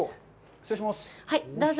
失礼します！